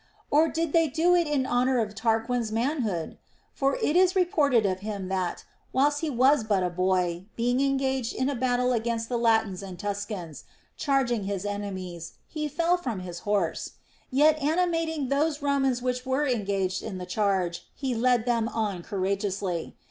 Or did they it in honor of Tarquin's manhood "? For it is reported of him that, whilst he was but a boy, being en gaged in a battle against the Latins and Tuscans, charging his enemies, he fell from his horse ; yet animating those Romans which were engaged in the charge, he led them on courageously.